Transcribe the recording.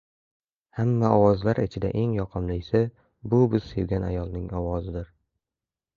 Hamma ovozlar ichida eng yoqimlisi — bu biz sevgan ayolning ovozidir.